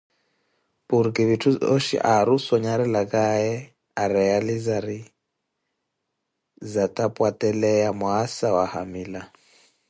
Porki vittu zooshi aari ossonharelakaye orealizari zatapwateleya Mwassa wa hamila